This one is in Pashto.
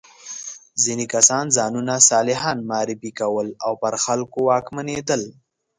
ځینې کسان ځانونه صالحان معرفي کول او پر خلکو واکمنېدل.